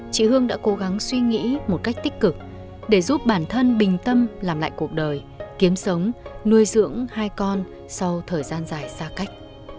chị hương đã cố gắng suy nghĩ một cách tích cực để giúp bản thân bình tâm làm lại cuộc đời kiếm sống nuôi dưỡng hai con sau thời gian dài xa cách